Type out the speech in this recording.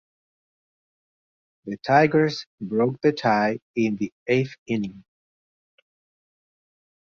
The Tigers broke the tie in the eight inning.